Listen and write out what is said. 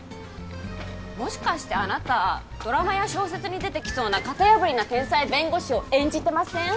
もしかしてあなたドラマや小説に出てきそうな型破りな天才弁護士を演じてません？